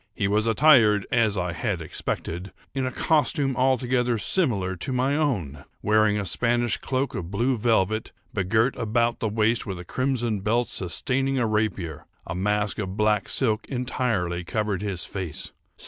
He was attired, as I had expected, in a costume altogether similar to my own; wearing a Spanish cloak of blue velvet, begirt about the waist with a crimson belt sustaining a rapier. A mask of black silk entirely covered his face.